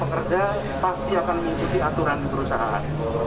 para pekerja pasti akan mencuri aturan perusahaan